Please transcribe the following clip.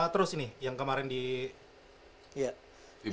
terus ini yang kemarin di viva women s